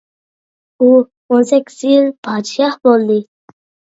ئۇ ئون سەككىز يىل پادىشاھ بولدى.